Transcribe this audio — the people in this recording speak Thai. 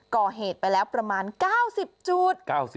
ก่อเหตุไปแล้วประมาณ๙๐จุด